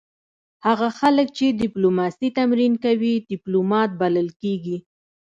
هغه خلک چې ډیپلوماسي تمرین کوي ډیپلومات بلل کیږي